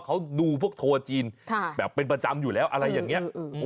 เขาดูพวกทัวร์จีนแบบเป็นประจำอยู่แล้วอะไรอย่างนี้